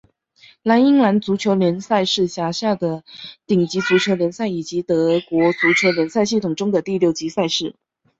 莱茵兰足球联赛是辖下的顶级足球联赛以及德国足球联赛系统中的第六级赛事。